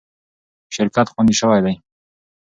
شرکت خوندي شوی دی.